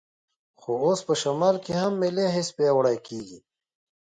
خو اوس په شمال کې هم ملي حس پیاوړی کېږي.